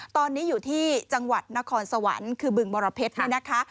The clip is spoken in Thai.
ตอนนี้อยู่ที่จังหวัดนครสวรรค์คือบึงบรเพชรนี่นะคะ